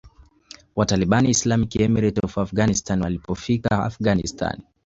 wa Taliban Islamic Emirate of Afghanistan Alipofika Afghanistan